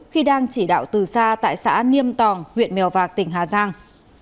khi đang chỉ đạo từ xa tại xã niêm tòng huyện mèo vạc tỉnh hà giang